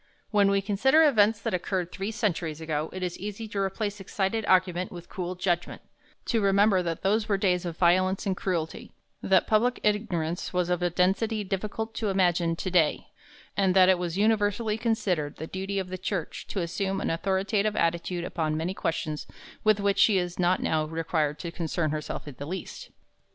When we consider events that occurred three centuries ago, it is easy to replace excited argument with cool judgment; to remember that those were days of violence and cruelty; that public ignorance was of a density difficult to imagine to day; and that it was universally considered the duty of the Church to assume an authoritative attitude upon many questions with which she is not now required to concern herself in the least.